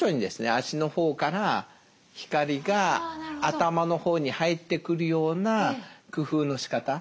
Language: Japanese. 足の方から光が頭の方に入ってくるような工夫のしかた。